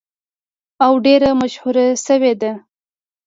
او ډیره مشهوره شوې ده.